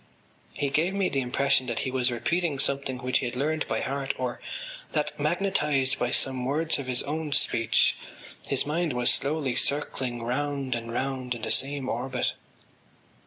He gave me the impression that he was repeating something which he had learned by heart or that, magnetised by some words of his own speech, his mind was slowly circling round and round in the same orbit.